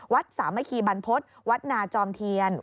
วัดสามะคีบรรพสวัดนาจอมเทียน